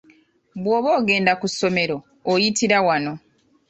Bw'oba ogenda ku ssomero oyitira wano.